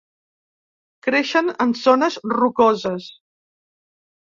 Creixen en zones rocoses.